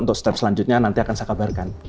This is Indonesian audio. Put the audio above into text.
untuk step selanjutnya nanti akan saya kabarkan